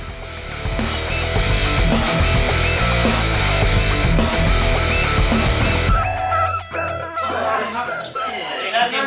สวัสดีครับ